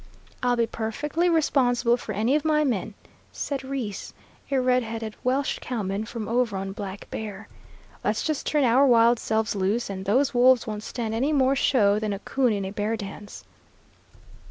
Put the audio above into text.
"I'll be perfectly responsible for any of my men," said Reese, a red headed Welsh cowman from over on Black Bear. "Let's just turn our wild selves loose, and those wolves won't stand any more show than a coon in a bear dance."